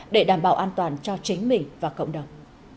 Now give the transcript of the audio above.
để đảm bảo an toàn cho chính mình và cộng đồng